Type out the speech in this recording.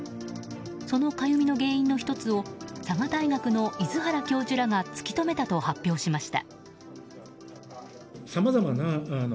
そのかゆみの原因の１つを佐賀大学の出原教授らが突き止めたと発表しました。